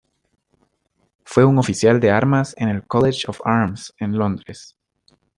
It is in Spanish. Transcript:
Fue un oficial de armas en el College of Arms en Londres.